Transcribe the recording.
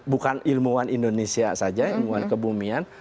bukan ilmuwan indonesia saja ilmuwan kebumian